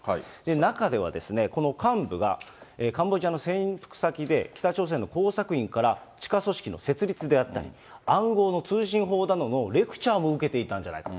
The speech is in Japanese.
中では、この幹部が、カンボジアの潜伏先で、北朝鮮の工作員から地下組織の設立であったり、暗号の通信法などのレクチャーも受けていたんじゃないかと。